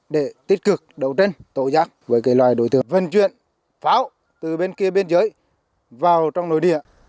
để tích cực đấu tranh tổ giác với loài đối tượng vận chuyển pháo từ bên kia biên giới vào trong nội địa